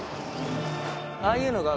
ああいうのが。